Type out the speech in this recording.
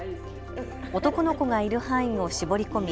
男の子がいる範囲を絞り込み